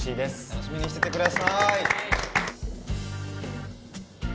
楽しみにしててください